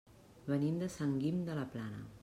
Venim de Sant Guim de la Plana.